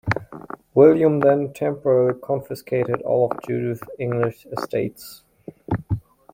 William then temporarily confiscated all of Judith's English estates.